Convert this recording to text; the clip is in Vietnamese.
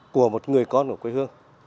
của một người con của quê hương